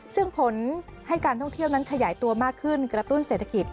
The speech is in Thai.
ซึ่งผลให้การท่องเที่ยวนั้นขยายตัวมากขึ้นกระตุ้นเศรษฐกิจ